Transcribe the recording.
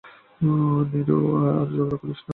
নীরু, আর ঝগড়া করিস নে– আয়, এখনই সবাই এসে পড়বে।